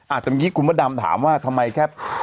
อาจจะมีคุณประดำถามว่าทำไมแค่